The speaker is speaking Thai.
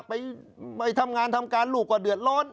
ไปทำงานทำการลูกก็เดือดร้อน